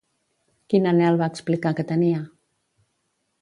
Quin anhel va explicar que tenia?